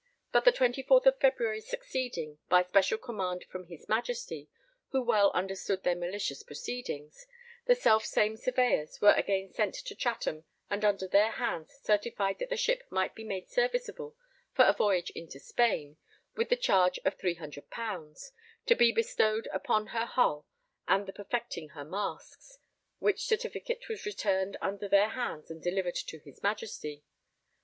But the 24th of February succeeding, by special command from his Majesty, who well understood their malicious proceedings, the selfsame surveyors were again sent to Chatham and under their hands certified that the ship might be made serviceable for a voyage into Spain with the charge of 300 pounds, to be bestowed upon her hull and the perfecting her masts, which certificate was returned under their hands and delivered to his Majesty.